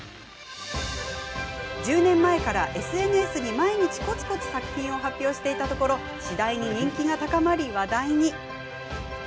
１０年前からＳＮＳに毎日こつこつ作品を発表していたところ次第に人気が高まり、話題に。